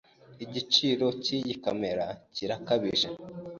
Igiciro cyiyi kamera kirakabije.